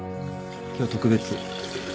今日特別。